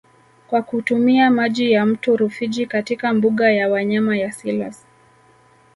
Kwa kutumia maji ya mto Rufiji katika mbuga ya wanyama ya Selous